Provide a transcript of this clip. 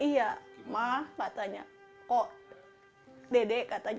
iya maaf katanya kok dedek katanya